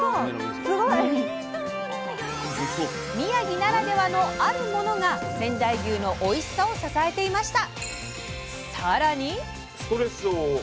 宮城ならではのあるものが仙台牛のおいしさを支えていました！